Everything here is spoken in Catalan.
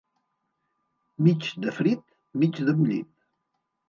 Mig de frit, mig de bullit.